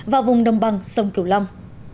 vào vùng đồng bằng sông kiều long